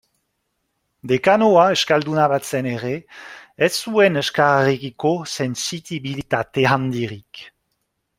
Dekanoa euskalduna bazen ere, ez zuen euskararekiko sentsibilitate handirik.